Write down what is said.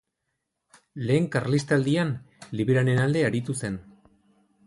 Lehen Karlistaldian liberalen alde aritu zen.